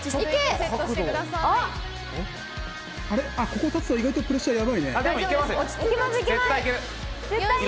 ここ立つと意外とプレッシャーやばいね。